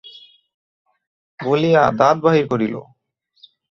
বলিয়া দাঁত বাহির করিল।